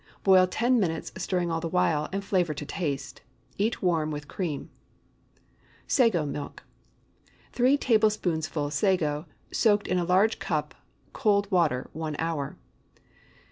Boil ten minutes, stirring all the while, and flavor to taste. Eat warm with cream. SAGO MILK. ✠ 3 tablespoonfuls sago, soaked in a large cup cold water one hour.